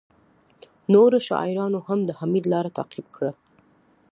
نورو شاعرانو هم د حمید لاره تعقیب کړه